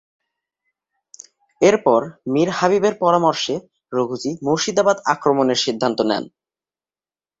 এরপর মীর হাবিবের পরামর্শে রঘুজী মুর্শিদাবাদ আক্রমণের সিদ্ধান্ত নেন।